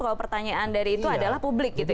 kalau pertanyaan dari itu adalah publik